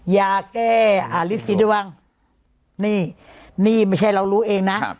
ยาแก้อาริสิทธิ์ด้วยว่างนี่นี่ไม่ใช่เรารู้เองน่ะครับ